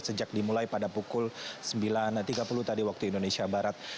sejak dimulai pada pukul sembilan tiga puluh tadi waktu indonesia barat